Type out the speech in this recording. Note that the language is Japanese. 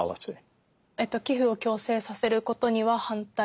寄付を強制させることには反対です。